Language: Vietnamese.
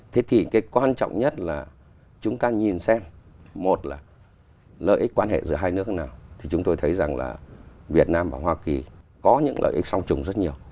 thế thì cái quan trọng nhất là chúng ta nhìn xem một là lợi ích quan hệ giữa hai nước nào thì chúng tôi thấy rằng là việt nam và hoa kỳ có những lợi ích song trùng rất nhiều